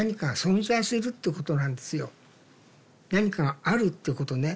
何かがあるってことね。